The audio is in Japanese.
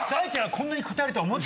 こんなに答えるとは。